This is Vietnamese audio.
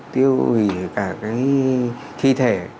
tiêu hủy cả cái thi thể